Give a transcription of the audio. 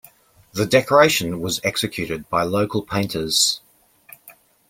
The decoration was executed by local painters.